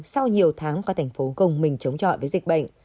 sau nhiều tháng qua tp hcm chống chọi với dịch bệnh